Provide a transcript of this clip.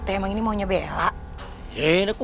emang ini maunya bella